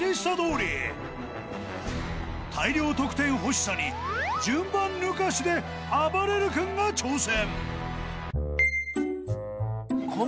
［大量得点欲しさに順番抜かしであばれる君が挑戦］